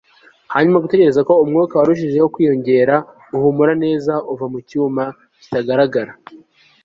hanyuma, gutekereza ko umwuka warushijeho kwiyongera, uhumura neza uva mu cyuma kitagaragara